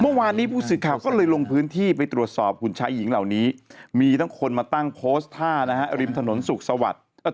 เมื่อวานนี้ผู้สื่อข่าวก็เลยลงพื้นที่ไปตรวจสอบหุ่นชายหญิงเหล่านี้มีทั้งคนมาตั้งโพสต์ท่านะฮะริมถนนสุขสวัสดิ์